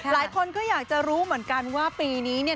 หลายคนก็อยากจะรู้เหมือนกันว่าปีนี้เนี่ย